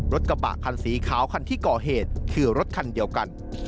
รถกระบะคันสีขาวคันที่ก่อเหตุคือรถคันเดียวกัน